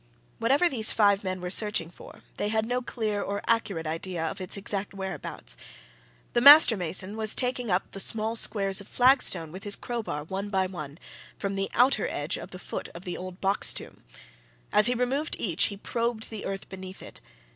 Whatever these five men were searching for, they had no clear or accurate idea of its exact whereabouts. The master mason was taking up the small squares of flagstone with his crowbar one by one, from the outer edge of the foot of the old box tomb; as he removed each, he probed the earth beneath it.